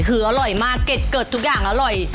คืออร่อยมากเกร็ดทุกอย่างอร่อย